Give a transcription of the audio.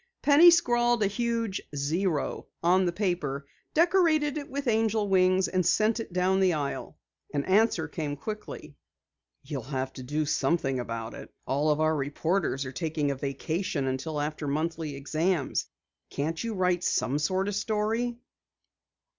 Penny scrawled a huge zero on the paper, decorated it with angel wings, and sent it down the aisle. An answer came immediately. "You'll have to do something about it. All of our reporters are taking a vacation until after monthly exams. Can't you write some sort of story?"